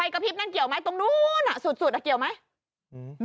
กระพริบนั่นเกี่ยวไหมตรงนู้นสุดเกี่ยวไหม